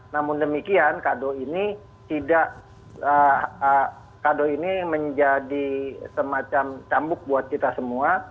namun demikian kado ini menjadi semacam cambuk buat kita semua